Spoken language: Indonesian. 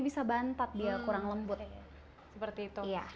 bisa bantat dia kurang lembut seperti itu